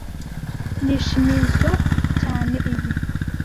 Nishimizoe cyane ibi.